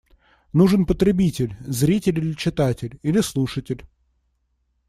Нужен потребитель – зритель или читатель, или слушатель.